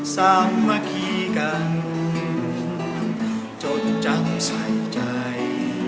สามัคคีกันจดจำใส่ใจ